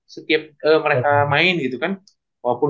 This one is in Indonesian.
setiap mereka main gitu kan walaupun